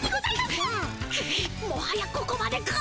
くっもはやここまでか。